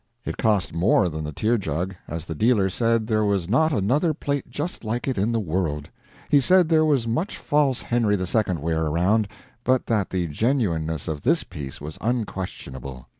It cost more than the tear jug, as the dealer said there was not another plate just like it in the world. He said there was much false Henri II ware around, but that the genuineness of this piece was unquestionable.